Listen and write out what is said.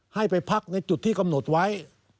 ให้ไปพักในจุดที่กำหนดไว้